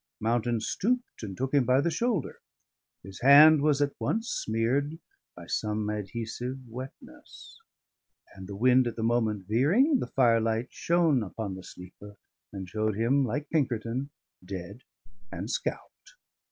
Mountain stooped and took him by the shoulder; his hand was at once smeared by some adhesive wetness; and (the wind at the moment veering) the firelight shone upon the sleeper, and showed him, like Pinkerton, dead and scalped.